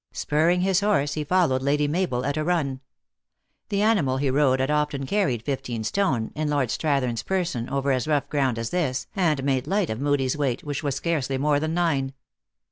Spurring his horse, he followed Lady Mabel at a run. The animal he rode had often carried fifteen stone, in Lord Strathern s person, over as rough ground as this, and made light of Hoodie s weight, which was scarcely more than nine.